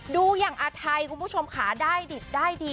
ดูอย่างอาไทคุณผู้ชมคะได้หยิดได้ดี